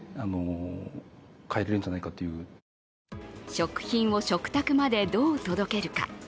食品を食卓まで、どう届けるか。